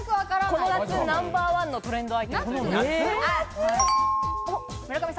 この夏ナンバーワンのトレンドアイテム。